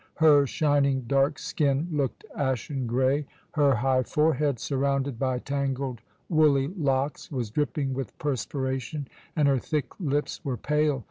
Her shining dark skin looked ashen grey, her high forehead, surrounded by tangled woolly locks, was dripping with perspiration, and her thick lips were pale.